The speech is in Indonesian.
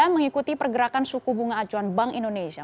dan mengikuti pergerakan suku bunga acuan bank indonesia